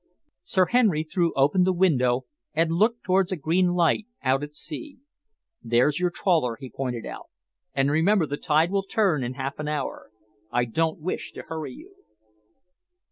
Sir Henry threw open the window and looked towards a green light out at sea. "There's your trawler," he pointed out, "and remember the tide will turn in half an hour. I don't wish to hurry you."